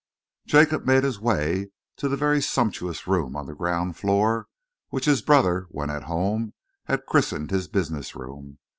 Jacob made his way to the very sumptuous room on the ground floor, which his brother when at home had christened his business room.